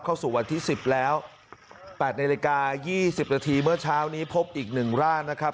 เข้าสู่วันที่สิบแล้วแปดในรายการยี่สิบนาทีเมื่อเช้านี้พบอีกหนึ่งร่านนะครับ